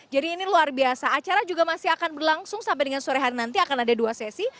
jadi ini luar biasa acara juga masih akan berlangsung sampai dengan sore hari nanti akan ada dua sesi